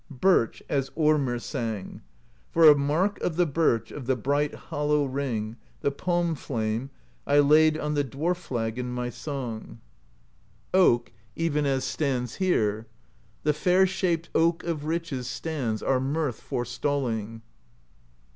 Birch, as Ormr sang: For a mark of the Birch Of the bright hollow ring. The palm flame, I laid On the dwarf flagon, my song. THE POESY OF SKALDS 179 Oak, even as stands here: The fair shaped Oak of Riches Stands, our mirth forestalling.